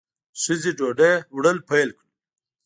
ښځه ډوډۍ وړل پیل کړل.